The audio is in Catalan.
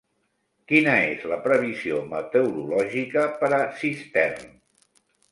Quina és la previsió meteorològica per a Cistern